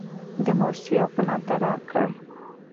د موسسې یو پلان طرحه کړ.